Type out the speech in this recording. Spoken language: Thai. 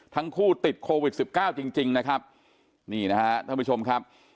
ทั้งคู่ติดโควิด๑๙จริงนะครับท่านผู้ชมครับ